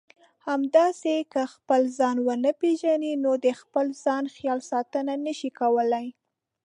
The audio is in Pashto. همداسې که خپل ځان ونه پېژنئ نو د خپل ځان خیال ساتنه نشئ کولای.